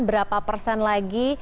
berapa persen lagi